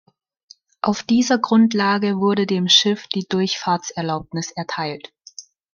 Auf dieser Grundlage wurde dem Schiff die Durchfahrtserlaubnis erteilt.